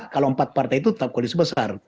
kalau empat partai itu tetap koalisi besar